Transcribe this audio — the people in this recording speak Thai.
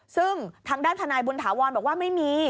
ซึ่งทางด้านทนายบุญถาวรบอกว่าไม่มี